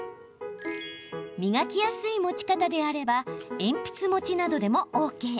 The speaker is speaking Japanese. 磨きやすい持ち方であれば鉛筆持ちなどでもＯＫ。